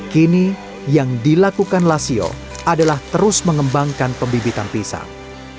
kini yang dilakukan lasio adalah terus mengembangkan pembibitan pisang